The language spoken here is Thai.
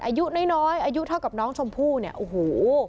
อายุน้อยน้อยอายุเท่ากับน้องชมพู่เนี่ยโอ้โห